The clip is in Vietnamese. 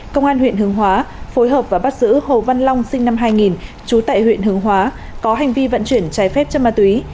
công an huyện hướng hóa phối hợp và bắt giữ hồ văn long sinh năm hai nghìn trú tại huyện hướng hóa có hành vi vận chuyển trái phép chân ma túy